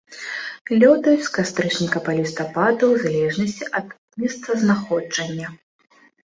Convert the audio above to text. Лётаюць з кастрычніка па лістапад у залежнасці ад месцазнаходжання.